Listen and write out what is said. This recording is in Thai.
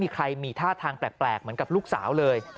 ใครมีท่าทางแปลกเหมือนกับลูกสาวเลย